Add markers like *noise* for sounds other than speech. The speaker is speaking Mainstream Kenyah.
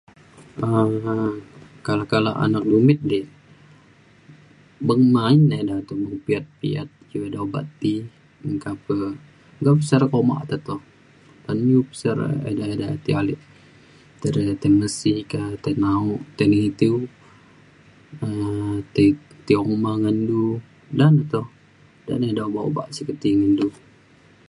um kala kala anak dumit di beng ma’an ida tai mopet ia’ iu ida obak ti meka pe *unintelligible* uma te toh ben iu pe se re ida ida ti ale. te re ni *unintelligible* ka tai na’o ka tai ngitiu um tai tai uma ngan du ja na toh ja de dau obak obak singget ti ngen du